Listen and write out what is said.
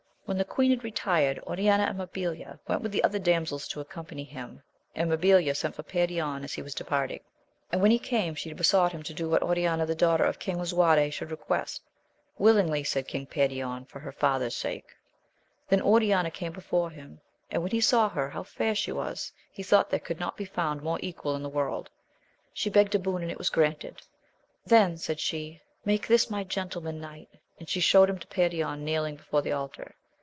When the queen had retired, Oriana and Mabilia went with the other damsels to accompany him, and Mabilia sent for Perion as he was departing; and, when he came, she besought him to do what Oriana the daughter of King Lisuaile d[io\M t^.q^^^\.. '\^'^ AMADIS OF GAUL. 33 lingly, said King Perion, for her father's sake. Then Oriana came before him ; and when he saw her, how fair she was, he thought there could not be found her equal in the world. She begged a boon, and it was granted. Then, said she, make this my Gentleman* knight; and she showed him to Perion, kneeling before the altar.